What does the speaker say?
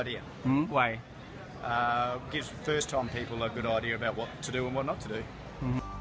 beri orang orang yang pertama yang punya ide yang bagus tentang apa yang harus dilakukan dan apa yang tidak harus dilakukan